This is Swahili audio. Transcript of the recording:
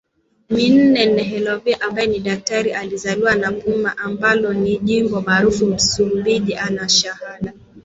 minneNhalevilo ambaye ni Daktari alizaliwa Nampula ambalo ni jimbo maarufu Msumbiji Ana shahada